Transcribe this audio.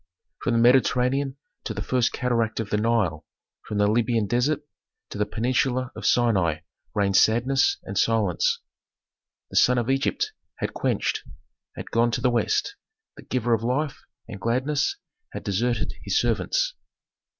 From the Mediterranean to the first cataract of the Nile, from the Libyan desert to the peninsula of Sinai reigned sadness and silence. The sun of Egypt had quenched, had gone to the West, the giver of life and gladness had deserted his servants.